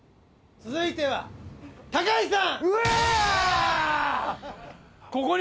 続いては高橋さん。